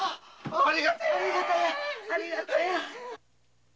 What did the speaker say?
ありがたや。